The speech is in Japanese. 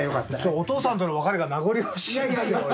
お父さんとの別れが名残惜しいですよ俺。